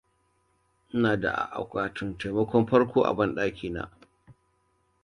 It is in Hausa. Ina da akwatun taimakon farko a banɗaki na.